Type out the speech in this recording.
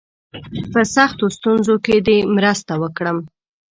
په سختو ستونزو کې دي مرسته وکړم.